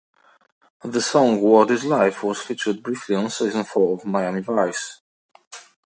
The song "What Is Life" was featured briefly on season four of "Miami Vice".